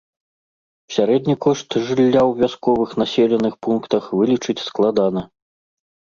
Сярэдні кошт жылля ў вясковых населеных пунктах вылічыць складана.